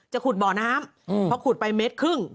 ขุดบ่อน้ำเพราะขุดไปเมตรครึ่ง